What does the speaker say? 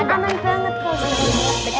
udah ya kita pergi